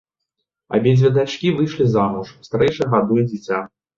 Абедзве дачкі выйшлі замуж, старэйшая гадуе дзіця.